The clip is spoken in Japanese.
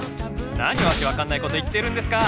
何訳分かんないこと言ってるんですか！